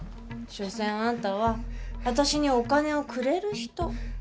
しょせんあんたは私にお金をくれる人。